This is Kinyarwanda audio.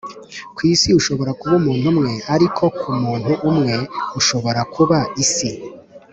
kwisi ushobora kuba umuntu umwe ariko kumuntu umwe ushobora kuba isi